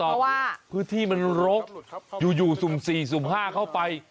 เพราะว่าพื้นที่มันรกอยู่อยู่สุ่มสี่สุ่มห้าเข้าไป